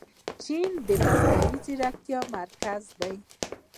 چین د مصنوعي ځیرکتیا مرکز دی.